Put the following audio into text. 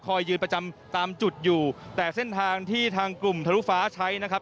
ยืนประจำตามจุดอยู่แต่เส้นทางที่ทางกลุ่มทะลุฟ้าใช้นะครับ